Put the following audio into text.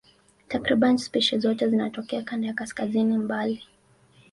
Takriban spishi zote zinatokea kanda za kaskazini mbali.